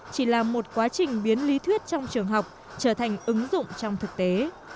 chỉ là một quá trình biến lý thuyết trong trường học trở thành ứng dụng trong thực tế